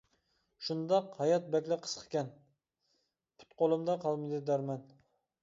شۇنداق، ھايات بەكلا قىسقىكەن، پۇت-قولۇمدا قالمىدى دەرمان.